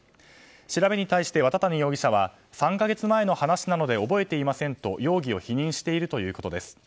調べに対して綿谷容疑者は３か月前の話なので覚えていませんと容疑を否認しているということです。